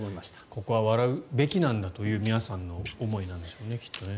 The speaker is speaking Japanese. ここは笑うべきなんだという皆さんの思いなんでしょうね。